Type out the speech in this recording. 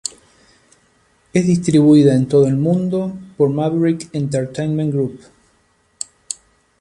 Es distribuida en todo el mundo por Maverick Entertainment Group.